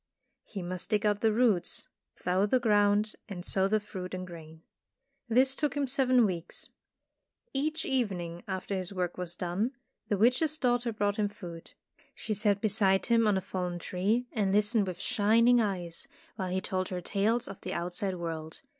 He must dig out the roots, plough the ground and sow the fruit and grain. This took him seven weeks. Each evening after his work was done, the witch's daughter brought him food. She sat beside him 153 Tales of Modern Germany on a fallen tree and listened with shining eyes while he told her tales of the outside world.